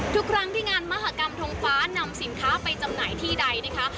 ทุกครั้งที่งานมหากรรมทงฟ้านำสินค้าไปจำหน่ายที่ใดนะคะ